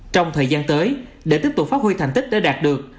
trong thời gian tới để tiếp tục phát huy thành tích đã đạt được